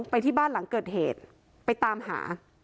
ไปที่บ้านหลังเกิดเหตุไปตามหา